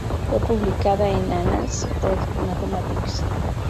Fue publicada en "Annals of Mathematics".